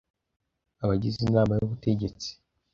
abagize inama y’ubutegetsi